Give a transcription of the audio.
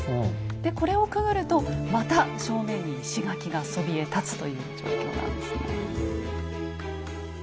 でこれをくぐるとまた正面に石垣がそびえ立つという状況なんですね。